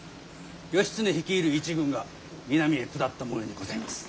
義経率いる一軍が南へ下ったもようにございます。